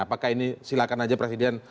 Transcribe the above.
apakah ini silakan aja presiden